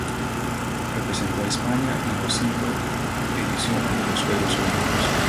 Representó a España en los cinco ediciones de los Juegos Olímpicos.